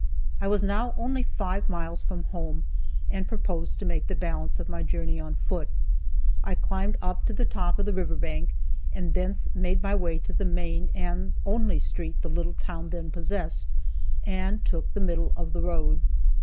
I was now only five miles from home, and proposed to make the balance of my journey on foot. I climbed up to the top of the river bank, and thence made my way to the main and only street the little town then possessed, and took "the middle of the road."